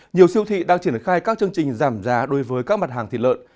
nhiều siêu thị đang triển khai các chương trình giảm giá đối với các mặt hàng thịt lợn